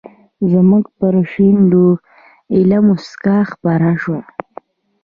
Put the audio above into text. زموږ پر شونډو ایله موسکا خپره شوه.